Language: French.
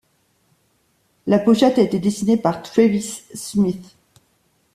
La pochette a été dessinée par Travis Smith.